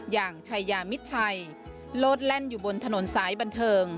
อย่างชายามิดชัยโลดแล่นอยู่บนถนนสายบันเทิง